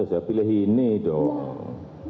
lima ratus ya pilih ini dong